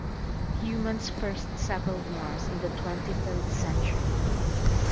Humans first settled Mars in the twenty-third century.